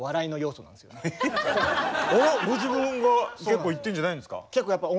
ご自分が結構いってるんじゃないんですか？